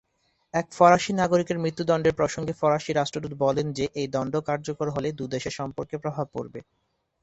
এক ফরাসি নাগরিকের মৃত্যুদন্ডের প্রসঙ্গে ফরাসি রাষ্ট্রদূত বলেন যে এই দন্ড কার্যকর হলে দুই দেশের সম্পর্কে প্রভাব পড়বে।